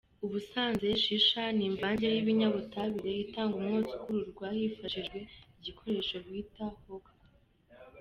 Ubusanzwe Shisha ni imvange y'ibinyabutabire itanga umwotsi ukururwa hifashishijwe igikoresho bita “hookah”.